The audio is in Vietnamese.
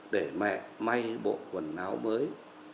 để mẹ may bộ quần áo mới